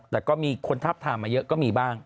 แต่ก็มีคนทาบทามมาเยอะก็มีบ้าง